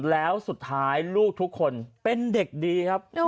แล้วสุดท้ายลูกทุกคนเป็นเด็กดีครับ